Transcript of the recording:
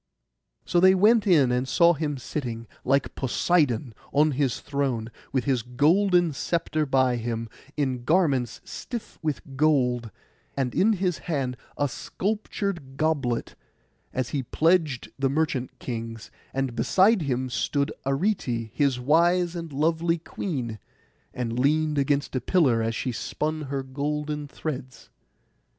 So they went in, and saw him sitting, like Poseidon, on his throne, with his golden sceptre by him, in garments stiff with gold, and in his hand a sculptured goblet, as he pledged the merchant kings; and beside him stood Arete, his wise and lovely queen, and leaned against a pillar as she spun her golden threads.